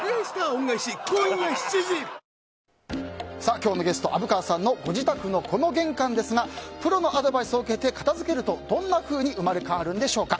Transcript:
今日のゲスト虻川さんのご自宅の玄関ですがプロのアドバイスを受けて片付けるとどんなふうに生まれ変わるんでしょうか。